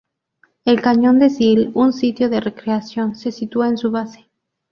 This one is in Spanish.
El cañón de Sill, un sitio de recreación, se sitúa en su base.